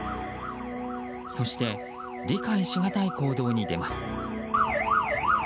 そして理解しがたい行動に出ます。